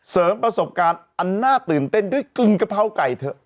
เสริมประสบการณ์อันน่าตื่นเต้นด้วยกลิ่นกะเพราไก่เถอะ